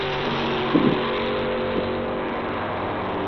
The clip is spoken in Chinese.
黄脉爵床为爵床科黄脉爵床属的植物。